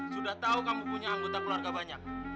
sudah tahu kamu punya anggota keluarga banyak